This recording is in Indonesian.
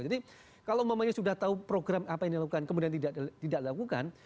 jadi kalau memangnya sudah tahu program apa yang dilakukan kemudian tidak dilakukan